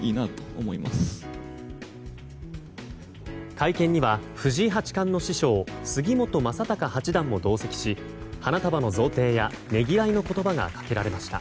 会見には藤井八冠の師匠・杉本昌隆八段も同席し花束の贈呈や、ねぎらいの言葉がかけられました。